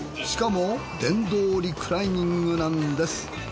しかも電動リクライニングなんです。